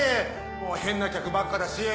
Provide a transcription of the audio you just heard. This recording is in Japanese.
変な客ばっかだし。